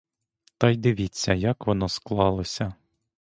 Та й дивіться, як воно склалося!